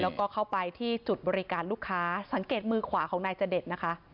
แล้วก็เข้าไปที่จุดบริการลูกค้าสังเกตมือขวาของนายจเดชนะคะ